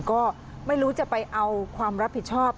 ก็ไม่รู้จะไปเอาความรับผิดชอบ